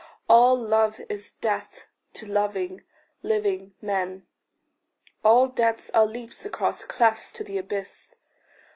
All love is death to loving, living men; All deaths are leaps across clefts to the abyss.